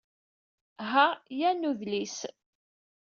Ha yan udlis.